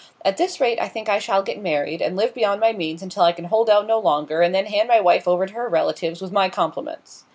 At this rate I think I shall get married, and live beyond my means until I can hold out no longer, and then hand my wife over to her relatives, with my compliments.